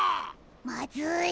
まずい。